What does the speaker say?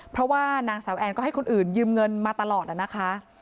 เพราะว่านางสาวแอนก็ให้คนอื่นยืมเงินมาตลอดนะคะ